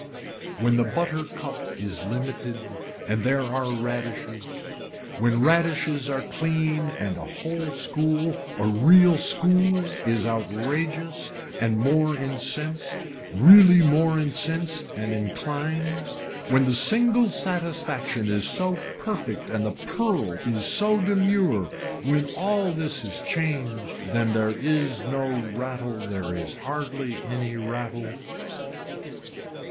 When the butter cup is limited and there are radishes, when radishes are clean and a whole school, a real school is outrageous and more incensed, really more incensed and inclined, when the single satisfaction is so perfect and the pearl is so demure when all this is changed then there is no rattle there is hardly any rattle.